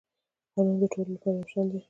قانون د ټولو لپاره یو شان دی